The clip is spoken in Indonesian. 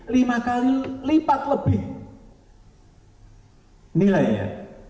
lima kali lipat lebih nilainya